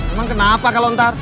emang kenapa kalau ntar